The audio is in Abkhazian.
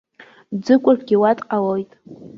Ӡыкәыргьы уа дҟалоит.